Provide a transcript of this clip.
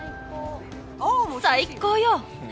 最高よ！